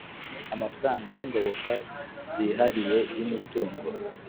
Amafaranga y ingoboka zihariye y imitungo